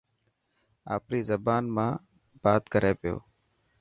آپري زبان ۾ بات ڪري پيو.